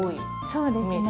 そうですね。